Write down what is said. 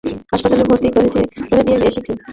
হাসপাতালে ভর্তি করিয়ে দিয়ে এসেছি।